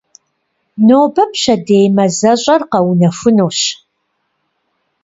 Нобэ-пщэдей мазэщӏэр къэунэхунущ.